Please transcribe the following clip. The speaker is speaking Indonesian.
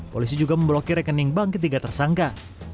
polisi juga memblokir rekening bank ketiga tersangka